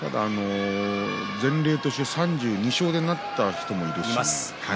前例として３２勝でなった人もいますよね。